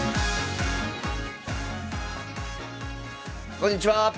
こんにちは！